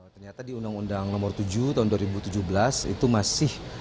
ternyata di undang undang nomor tujuh tahun dua ribu tujuh belas itu masih